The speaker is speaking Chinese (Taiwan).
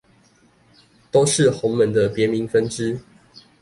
都是洪門的別名分支